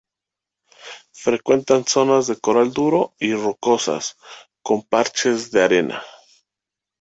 Frecuentan zonas de coral duro y rocosas, con parches de arena.